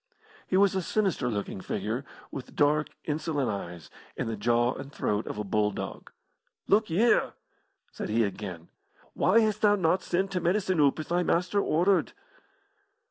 He was a sinister looking figure, with dark, insolent eyes, and the jaw and throat of a bulldog. "Look y'ere!" said he again. "Why hast thou not sent t' medicine oop as thy master ordered?"